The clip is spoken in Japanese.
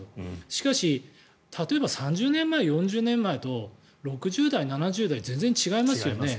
しかし、例えば３０年前、４０年前と６０代、７０代全然違いますよね。